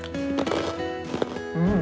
うん。